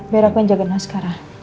biar aku yang jagain askarah